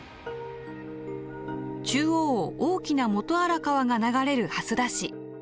中央を大きな元荒川が流れる蓮田市。